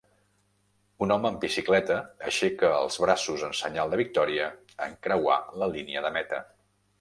Un home amb bicicleta aixeca els braços en senyal de victòria en creuar la línia de meta.